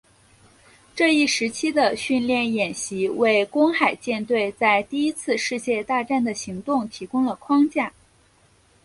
这一时期的训练演习为公海舰队在第一次世界大战的行动提供了框架。